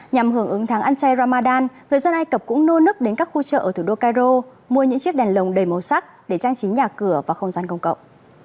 nhằm hưởng ứng tháng ăn chay ramadan người dân ai cập cũng nô nức đến các khu chợ ở thủ đô cairo mua những chiếc đèn lồng đầy màu sắc để trang trí nhà cửa và không gian công cộng